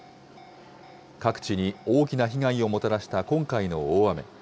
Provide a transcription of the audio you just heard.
各地に大きな被害をもたらした今回の大雨。